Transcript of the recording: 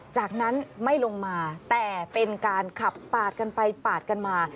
จากนั้นไม่ลงมาแต่เป็นการขับปาดกันไปปาดกันมา